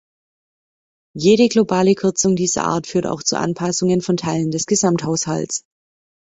Jede globale Kürzung dieser Art führt auch zu Anpassungen von Teilen des Gesamthaushalts.